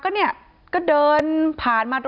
ที่มีข่าวเรื่องน้องหายตัว